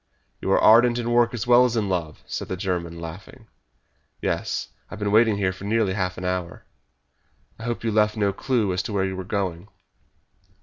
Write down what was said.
"You are ardent in work as well as in love!" said the German, laughing. "Yes; I have been waiting here for nearly half an hour." "I hope you left no clue as to where we were going."